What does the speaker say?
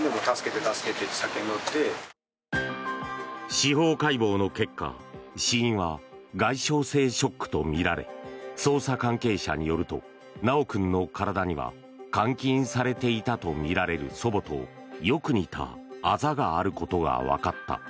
司法解剖の結果死因は外傷性ショックとみられ捜査関係者によると修君の体には監禁されていたとみられる祖母とよく似たあざがあることがわかった。